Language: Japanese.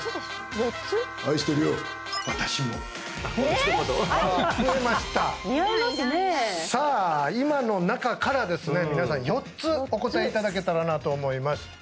おい私もさあ今の中からですね皆さん４つお答えいただけたらなと思います